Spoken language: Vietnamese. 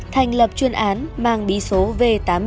thành lập chuyên án mang bí số v tám mươi chín